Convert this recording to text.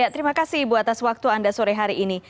terima kasih ibu atas waktu anda sore hari ini